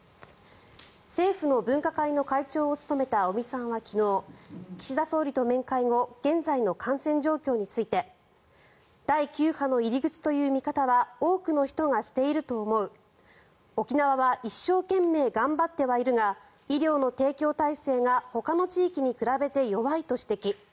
政府の分科会の会長を務めた尾身さんは昨日岸田総理と面会後現在の感染状況について第９波の入り口という見方は多くの人がしていると思う沖縄は一生懸命頑張ってはいるが医療の提供体制がほかの地域に比べて弱いと指摘。